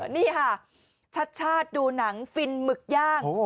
นี่ฮะชัดดูหนังฟินหมึกย่าง